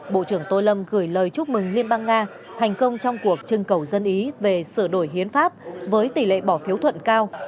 bộ trưởng tô lâm gửi lời chúc mừng liên bang nga thành công trong cuộc trưng cầu dân ý về sửa đổi hiến pháp với tỷ lệ bỏ phiếu thuận cao